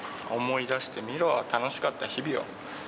思い出してみろ楽しかった日々を。